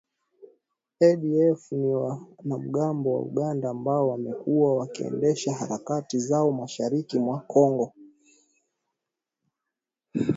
ADF ni wanamgambo wa Uganda ambao wamekuwa wakiendesha harakati zao mashariki mwa Kongo